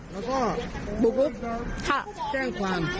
แล้วก็บุกรุกแจ้งความ